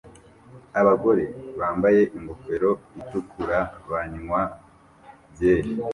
Abagore bambaye ingofero itukura banywa byeri